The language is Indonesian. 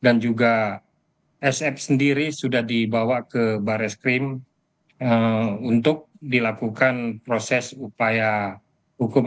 dan juga sf sendiri sudah dibawa ke bareskrim untuk dilakukan proses upaya hukum